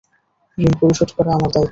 ঋণ পরিশোধ করা আমার দায়িত্ব।